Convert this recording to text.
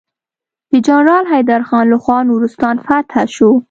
د جنرال حيدر خان لخوا نورستان فتحه شو.